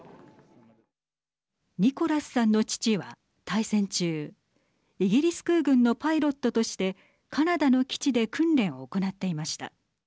ニコラスさんの父は大戦中、イギリス空軍のパイロットとしてカナダの基地で訓練を行っていました。